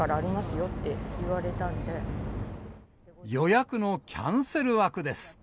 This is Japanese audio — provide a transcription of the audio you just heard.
よって予約のキャンセル枠です。